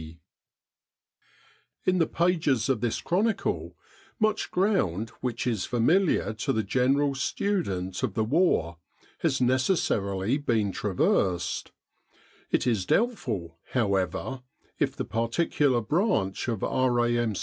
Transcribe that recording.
C. IN the pages of this chronicle much ground which is familiar to the general student of the War has neces sarily been traversed ; it is doubtful, however, if the particular branch of R.A.M.